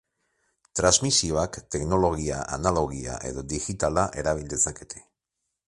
Transmisioak teknologia analogia edo digitala erabil dezakete.